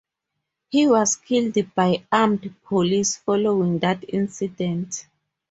He was killed by armed police following that incident.